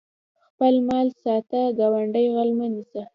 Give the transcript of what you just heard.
خپل مال ساته ګاونډي غل مه نیسه